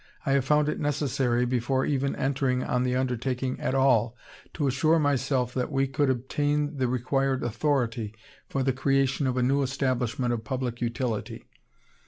I have found it necessary, before even entering on the undertaking at all, to assure myself that we could obtain the required authority for the creation of a new establishment of public utility.